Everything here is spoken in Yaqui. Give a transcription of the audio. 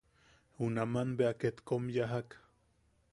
Junaman bea ket kom yajak.